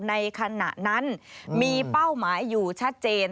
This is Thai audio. ในขณะนั้นมีเป้าหมายอยู่ชัดเจน